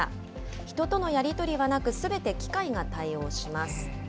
人とのやり取りはなく、すべて機械が対応します。